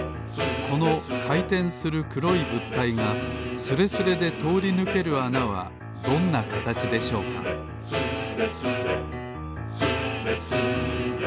このかいてんするくろいぶったいがスレスレでとおりぬけるあなはどんなかたちでしょうか「スレスレ」「スレスレスーレスレ」